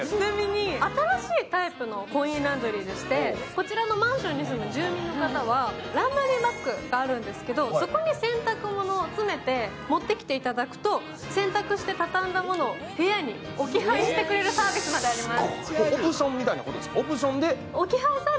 こちらのマンションに住む住民の方はランドリーバッグがあるんですけどそこに洗濯物を詰めて持ってきていただくと、洗濯して畳んだものを部屋に置き配してくれるサービスまであります